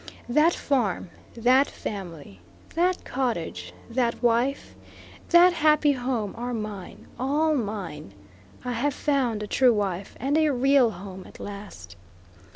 That farm, that family, that cottage, that wife, that happy home are mine all mine. I have found a true wife and a real home at last.